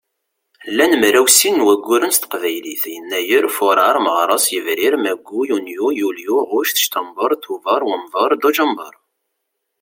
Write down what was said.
Llan mraw sin n wagguren s teqbaylit: Yennayer, Fuṛar, Meɣres, Yebrir, Mayyu, Yunyu, Yulyu, Ɣuct, Ctamber, Tuber, Wamber, Dujember.